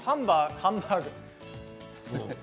ハンバーグ？